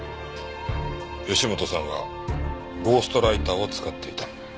義本さんはゴーストライターを使っていた。